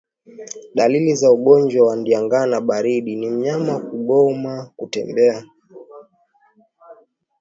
Dalili za ugonjwa wa ndigana baridi ni mnyama kugoma kutembea